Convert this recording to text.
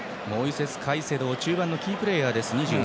カイセド中盤のキープレーヤーです。